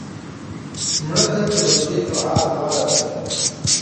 مړه ته د روژې دعا غوره ده